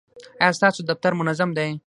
ایا ستاسو دفتر منظم دی؟